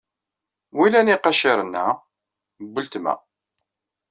Wilan iqaciren-a? N uletma.